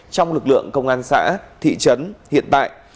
trong lực lượng công an xã thị trấn hiện tại